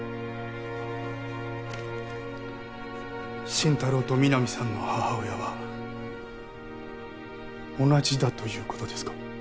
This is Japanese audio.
心太朗と皆実さんの母親は同じだということですか？